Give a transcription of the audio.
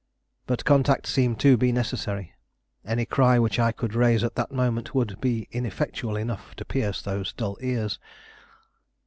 But contact seemed to be necessary; any cry which I could raise at that moment would be ineffectual enough to pierce those dull ears.